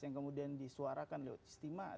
yang kemudian disuarakan lewat istimewa